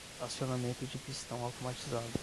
Acionamento de pistão automatizado